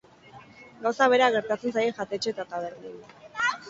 Gauza bera gertatzen zaie jatetxe eta tabernei.